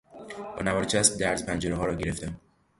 با نوار چسب درز پنجرهها را گرفتم.